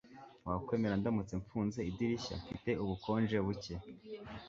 Wakwemera ndamutse mfunze idirishya Mfite ubukonje buke